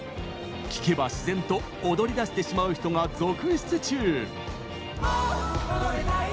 聴けば自然と踊り出してしまう人が続出中！